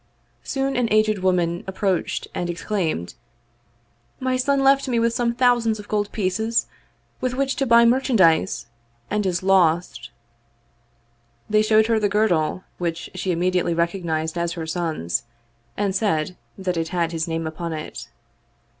Soon an aged wom an approached, and exclaimed, " My son left me with some thousands of pieces of gold, with which to buy merchan dise, and is lost." They showed her the girdle, which she immediately recognized as her son's^ and said that it had his name upon it.